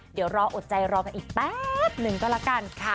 เดี๋ยวรออดใจรอกันอีกแป๊บหนึ่งก็แล้วกันค่ะ